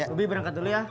ubi berangkat dulu ya